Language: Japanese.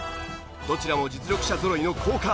どちらも実力者ぞろいの好カード。